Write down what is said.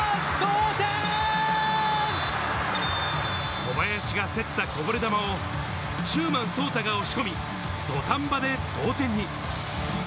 小林が競ったこぼれ球を中馬颯太が押し込み、土壇場で同点に。